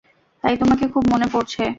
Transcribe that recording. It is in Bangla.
তাই তোমাকে খুব মনে পড়ছে।